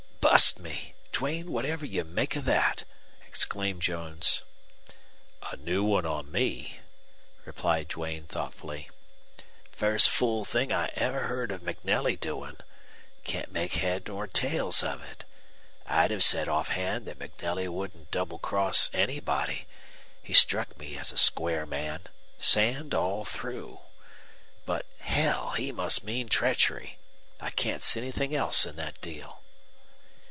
"Bust me! Duane, whatever do you make of that?" exclaimed Jones. "A new one on me," replied Duane, thoughtfully. "First fool thing I ever heard of MacNelly doing. Can't make head nor tails of it. I'd have said offhand that MacNelly wouldn't double cross anybody. He struck me as a square man, sand all through. But, hell! he must mean treachery. I can't see anything else in that deal."